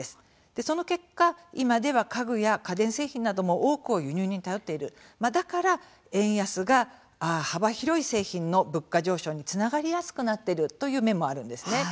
その結果、今では家具や家電製品なども多くを輸入に頼っているだから、円安が幅広い製品の物価上昇につながりやすくなっているという面もあるんですね。